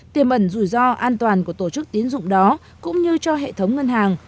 tiềm ẩn rủi ro an toàn của tổ chức tiến dụng đó cũng như cho hệ thống ngân hàng